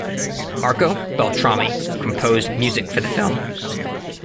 Marco Beltrami composed music for the film.